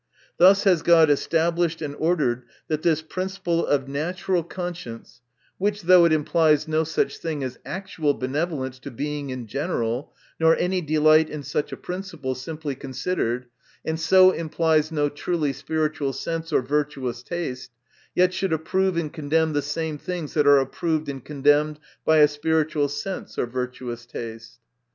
Thus has God established and ordered, that this principle of natural conscience, which, though it implies no such thing as actual benevolence to Being in gen eral, nor any delight in such a principle, simply considered, and so implies no truly spiritual sense or virtuous taste, yet should approve and condemn theesame things that are approved and condemned by a spiritual sense or virtuous taste.